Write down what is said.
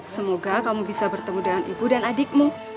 semoga kamu bisa bertemu dengan ibu dan adikmu